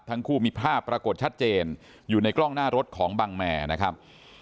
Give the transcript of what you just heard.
ทั้งคู่มีภาพปรากฏชัดเจนอยู่ในกล้องหน้ารถของบังแมนะครับ